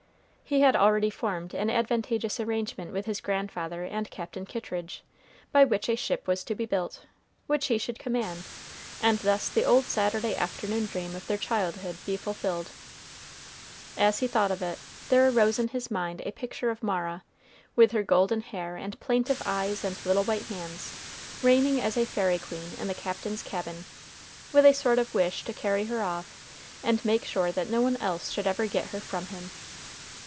He had already formed an advantageous arrangement with his grandfather and Captain Kittridge, by which a ship was to be built, which he should command, and thus the old Saturday afternoon dream of their childhood be fulfilled. As he thought of it, there arose in his mind a picture of Mara, with her golden hair and plaintive eyes and little white hands, reigning as a fairy queen in the captain's cabin, with a sort of wish to carry her off and make sure that no one else ever should get her from him.